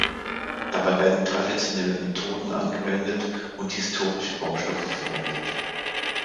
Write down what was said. Dabei werden traditionelle Methoden angewendet und historische Baustoffe verwendet.